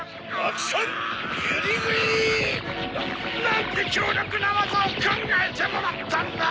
「なんて強力な技を考えてもらったんだ！」